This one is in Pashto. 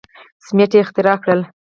سیمنټ یې اختراع کړل.